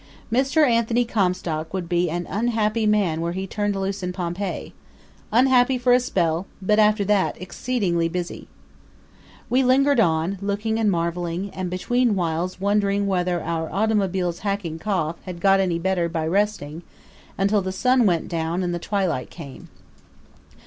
Mr. Anthony Comstock would be an unhappy man were he turned loose in Pompeii unhappy for a spell, but after that exceedingly busy. We lingered on, looking and marveling, and betweenwhiles wondering whether our automobile's hacking cough had got any better by resting, until the sun went down and the twilight came.